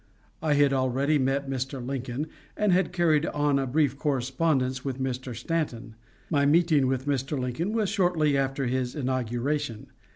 I had already met Mr. Lincoln, and had carried on a brief correspondence with Mr. Stanton. My meeting with Mr. Lincoln was shortly after his inauguration.